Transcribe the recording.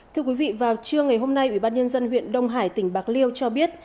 thưa quý vị vào trưa ngày hôm nay ủy ban nhân dân huyện đông hải tỉnh bạc liêu cho biết